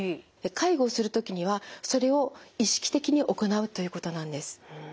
介護するときにはそれを意識的に行うということなんです。